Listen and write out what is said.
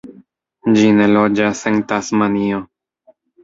Ĝi ne loĝas en Tasmanio.